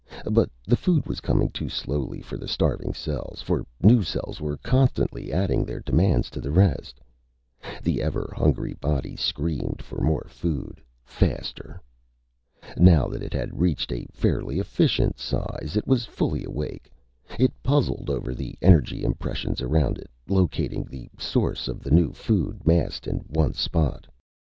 But the food was coming too slowly for the starving cells, for new cells were constantly adding their demands to the rest. The ever hungry body screamed for more food, faster! Now that it had reached a fairly efficient size, it was fully awake. It puzzled over the energy impressions around it, locating the source of the new food massed in one spot.